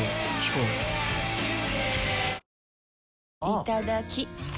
いただきっ！